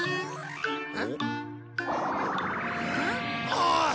おい！